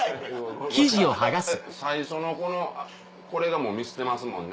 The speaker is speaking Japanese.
最初のこのこれがもうミスってますもんね。